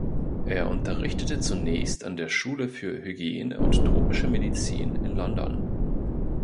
Er unterrichtete zunächst an der Schule für Hygiene und Tropische Medizin in London.